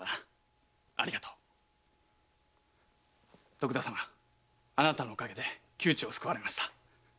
徳田様あなたのお陰で窮地を救われました。